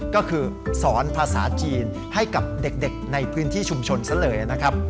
ก็คือสอนภาษาจีนให้กับเด็กในพื้นที่ชุมชนซะเลยนะครับ